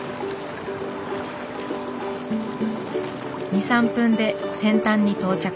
２３分で先端に到着。